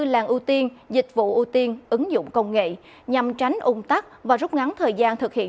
làng ưu tiên dịch vụ ưu tiên ứng dụng công nghệ nhằm tránh ung tắc và rút ngắn thời gian thực hiện